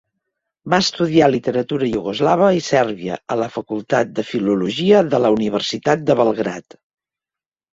Va estudiar literatura iugoslava i sèrbia a la facultat de filologia de la universitat de Belgrad.